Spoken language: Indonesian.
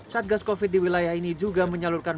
satgas covid di wilayah ini juga menyalurkan